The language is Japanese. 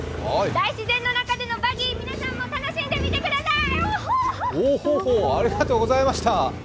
大自然の中でのバギー、皆さんも楽しんでみてください。